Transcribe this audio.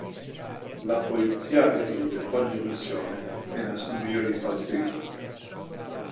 La polizia e Reed fanno irruzione nel nascondiglio di Sutcliffe.